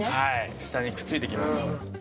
下にくっついてきます。